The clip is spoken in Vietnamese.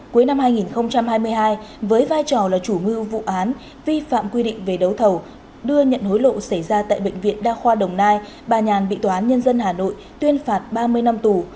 cuối năm hai nghìn hai mươi hai với vai trò là chủ ngư vụ án vi phạm quy định về đấu thầu đưa nhận hối lộ xảy ra tại bệnh viện đa khoa đồng nai bà nhàn bị tòa án nhân dân hà nội tuyên phạt ba mươi năm tù